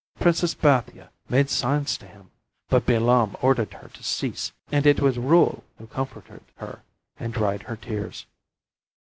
Princess Bathia made signs to him, but Bilam ordered her to cease and it was Reuel who comforted her and dried her tears.